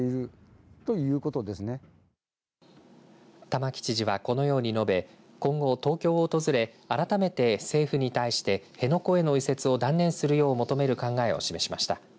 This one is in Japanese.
玉城知事は、このように述べ今後、東京を訪れ改めて政府に対して辺野古への移設を断念するよう求める考えを示しました。